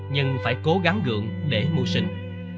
nhưng phải cố gắng gượng để mua sinh